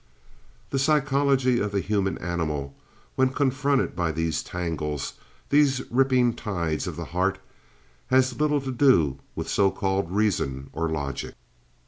The psychology of the human animal, when confronted by these tangles, these ripping tides of the heart, has little to do with so called reason or logic.